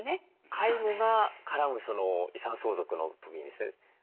介護が絡む遺産相続の時にですね